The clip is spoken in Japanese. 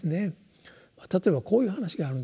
例えばこういう話があるんです。